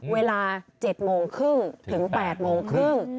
เวลา๗โมงครึ่งถึง๘โมงครึ่ง